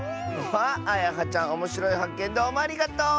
あやはちゃんおもしろいはっけんどうもありがとう！